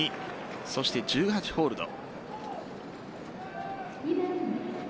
そして１８ホールド。